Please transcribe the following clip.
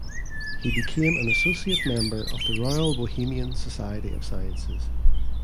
He became an associate member of the Royal Bohemian Society of Sciences.